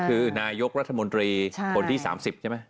คือนายกรัฐมนตรีคนที่๓๐ใช่ไหม